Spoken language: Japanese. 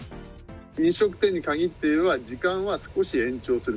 飲食店に限って言えば時間は少し延長する。